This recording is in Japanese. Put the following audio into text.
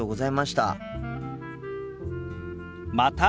また。